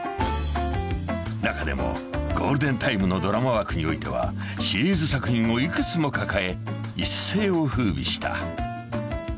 ［中でもゴールデンタイムのドラマ枠においてはシリーズ作品をいくつも抱え一世を風靡した］